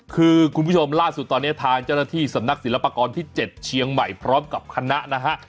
คือคุณผู้ชมล่าสุดตอนนี้ทางเจ้าหน้าที่สำนักศิลปากรที่๗เชียงใหม่พร้อมกับคณะนะฮะ